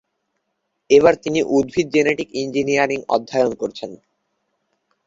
এবার তিনি উদ্ভিদ জেনেটিক ইঞ্জিনিয়ারিং অধ্যয়ন করেছেন।